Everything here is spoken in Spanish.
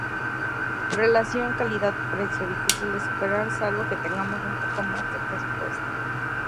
Relación calidad precio difícil de superar salvo que tengamos un poco más de presupuesto.